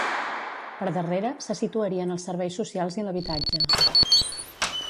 Per darrere, se situarien els serveis socials i l'habitatge.